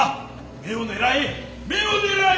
目を狙え目を狙え。